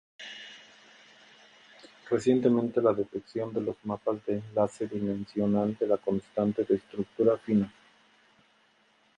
Recientemente, la detección de los mapas de enlace-dimensional de la constante de estructura fina.